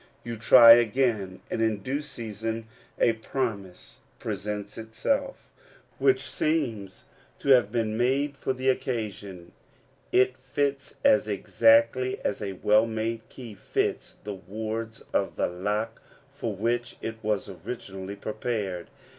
You try again, and in due season a promise presents itself, which seems to have been made for the occasion ; it fits as exactly as a well made key fits the wards of the lock for which it was originally prepared.